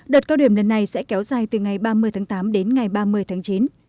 đợt cao điểm lần này sẽ kéo dài từ ngày ba mươi tháng tám đến ngày ba mươi tháng chín